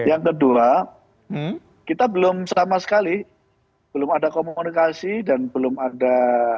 yang kedua kita belum sama sekali belum ada komunikasi dan belum ada